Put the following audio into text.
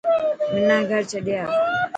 منا گھر ڇڏي آ.